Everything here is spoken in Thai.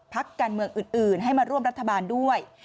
พักการเมืองอื่นให้มาร่วมรัฐบาลด้วย